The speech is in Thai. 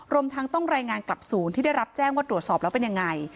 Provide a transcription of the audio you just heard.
รวมทั้งต้องรายงานกลับศูนย์ที่ได้รับแจ้งว่าตรวจสอบแล้วเป็นยังไง